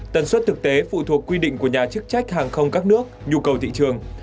tần suất thực tế phụ thuộc quy định của nhà chức trách hàng không các nước nhu cầu thị trường